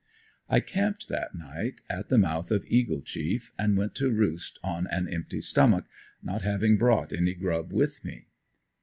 I camped that night at the mouth of Eagle Chief, and went to roost on an empty stomach, not having brought any grub with me.